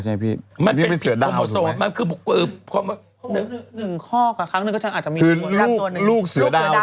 เหลือสุด